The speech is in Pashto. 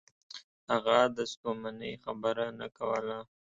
هغه د ستومنۍ خبره نه کوله.